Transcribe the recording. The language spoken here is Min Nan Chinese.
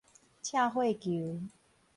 赤血球